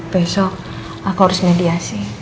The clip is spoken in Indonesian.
besok aku harus mediasi